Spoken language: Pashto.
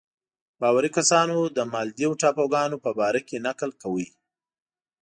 باوري کسانو د مالدیو ټاپوګانو په باره کې نکل کاوه.